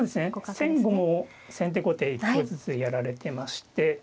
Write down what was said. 先後も先手後手１度ずつやられてまして。